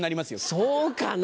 そうかな？